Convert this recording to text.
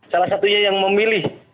salah satunya yang memilih